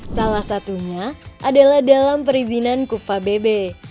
salah satunya adalah dalam perizinan kufa bebe